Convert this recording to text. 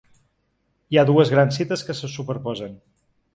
Hi ha dues grans cites que se superposen.